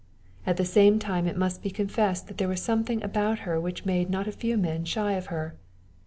At the same time it must be confessed there was something about her which made not a few men shy of her.